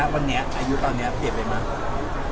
วันนี้อายุตอนนี้เปลี่ยนไปไหม